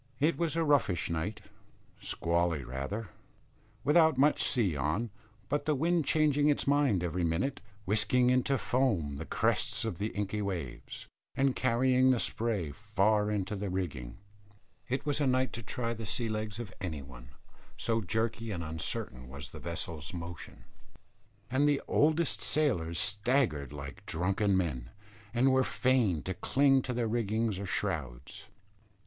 It was a roughish night, squally rather, without much sea on, but the wind changing its mind every minute, whisking into foam the crests of the inky waves, and carrying the spray far into the rigging. It was a night to try the sea legs of any one, so jerky and uncertain was the vessel's motion; and the oldest sailors staggered like drunken men, and were fain to cling to rigging or shrouds.